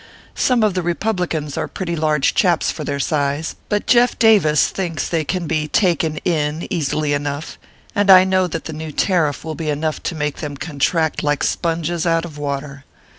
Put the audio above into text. Some of the republicans are pretty large chaps for their size, but Jeff Davis thinks they can be " taken in" easily enough and I know that the new tariff will be enough to make them contract like sponges out of water.